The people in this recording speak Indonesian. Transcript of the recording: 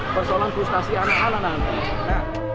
persoalan frustasi anak anak